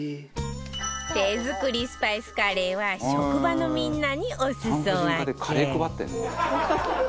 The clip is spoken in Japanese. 手作りスパイスカレーは職場のみんなにお裾分け